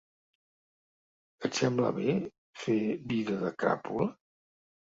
Et sembla bé fer vida de cràpula?